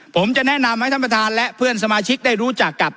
ผมจะแนะนำให้ท่านประธานและเพื่อนสมาชิกได้รู้จักกับ